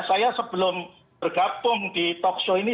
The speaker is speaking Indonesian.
saya sebelum bergabung di talkshow ini